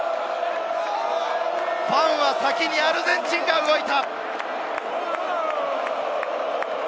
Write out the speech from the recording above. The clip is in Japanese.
ファンは先にアルゼンチンが動いた！